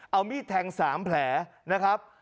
เอามีดแทง๓แผลนะครับ